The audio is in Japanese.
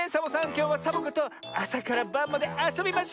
きょうはサボ子とあさからばんまであそびましょ。